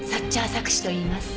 錯視といいます。